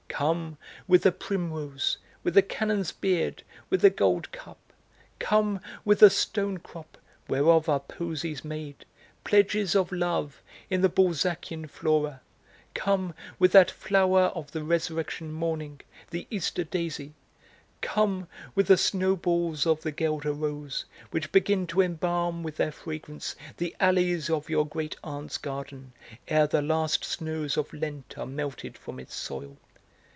Come with the primrose, with the canon's beard, with the gold cup; come with the stone crop, whereof are posies made, pledges of love, in the Balzacian flora, come with that flower of the Resurrection morning, the Easter daisy, come with the snowballs of the guelder rose, which begin to embalm with their fragrance the alleys of your great aunt's garden ere the last snows of Lent are melted from its soil.